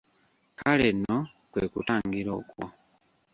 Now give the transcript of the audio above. Kale nno kwe kutangira okwo.